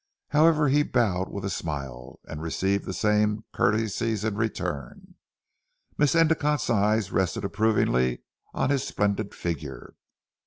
However he bowed with a smile, and received the same courtesies in return. Miss Endicotte's eyes rested approvingly on his splendid figure.